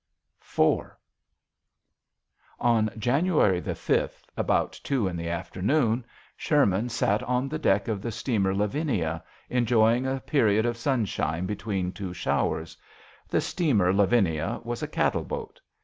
between steamer N January the 5th about two in the afternoon, Sherman sat on the deck of the steamer Lavinia enjoying a period of sunshine two showers. The Lavinia was a cattle boat.